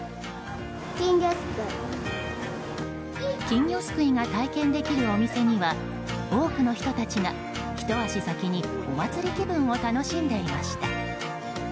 金魚すくいが体験できるお店には多くの人たちがひと足先にお祭り気分を楽しんでいました。